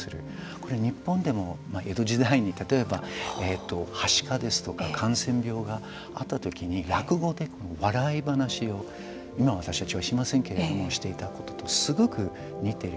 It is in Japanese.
これ、日本でも江戸時代に例えばはしかですとか感染病があった時に落語で笑い話のしていたこととすごく似ている。